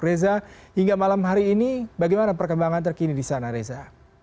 reza hingga malam hari ini bagaimana perkembangan terkini di sana reza